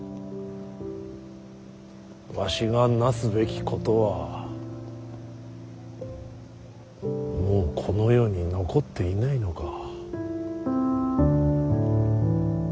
わしがなすべきことはもうこの世に残っていないのか。